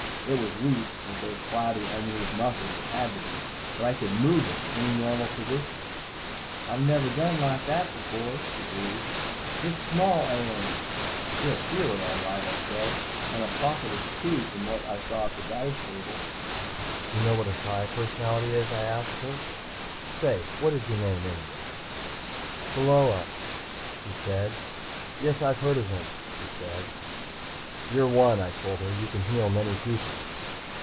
It was weak with those flabby, unused muscles, it had to be. But I could move it, to any normal position. "I never done like that before," she breathed. "Jest small ailin'." "You're a healer, all right," I said. "And a prophetess, too, from what I saw at the dice table. You know what a Psi personality is?" I asked her. "Say, what is your name, anyway?" "Pheola," she said. "Yes, I've heard of them," she said. "You're one," I told her. "You can heal many people."